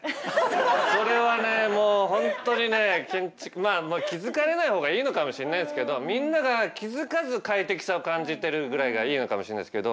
まあ気付かれない方がいいのかもしんないですけどみんなが気付かず快適さを感じてるぐらいがいいのかもしんないですけど。